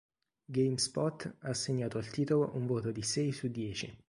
Gamespot ha assegnato al titolo un voto di sei su dieci.